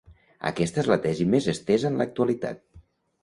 Aquesta és la tesi més estesa en l'actualitat.